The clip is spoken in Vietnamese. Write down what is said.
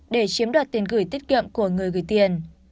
để chiếm đoạt tiền gửi tiết kiệm của người gửi tiền